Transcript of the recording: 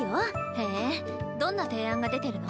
へえどんな提案が出てるの？